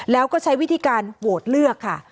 แล้วก็ใช้วิธีการโหวตเลือกค่ะ